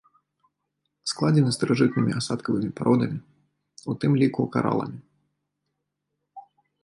Складзены старажытнымі асадкавымі пародамі, у тым ліку караламі.